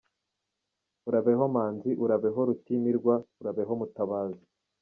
Urabeho Manzi, urabeho Rutimirwa, urabeho Mutabazi.